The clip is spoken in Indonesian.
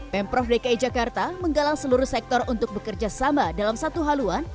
pemprov dki jakarta menggalang seluruh sektor untuk bekerja sama dalam satu haluan